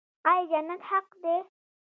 آیا جنت حق دی؟